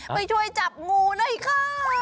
ไปช่วยจับงูหน่อยค่ะ